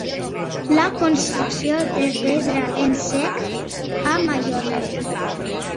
La construcció de pedra en sec a Mallorca.